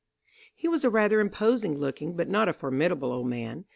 He was a rather imposing looking but not a formidable old man.